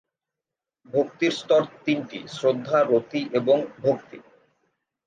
ভক্তির স্তর তিনটি শ্রদ্ধা, রতি এবং ভক্তি।